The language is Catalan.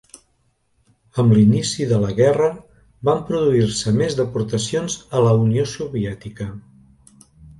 Amb l'inici de la guerra van produir-se més deportacions a la Unió Soviètica.